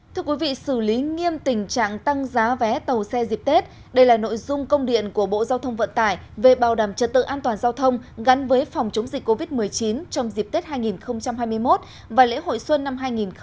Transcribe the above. thưa quý vị xử lý nghiêm tình trạng tăng giá vé tàu xe dịp tết đây là nội dung công điện của bộ giao thông vận tải về bảo đảm trật tự an toàn giao thông gắn với phòng chống dịch covid một mươi chín trong dịp tết hai nghìn hai mươi một và lễ hội xuân năm hai nghìn hai mươi